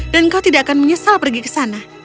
dan kau tidak akan menyesal pergi ke sana